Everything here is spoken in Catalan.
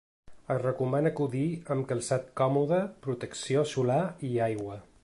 Es recomana acudir amb calçat còmode, protecció solar i aigua.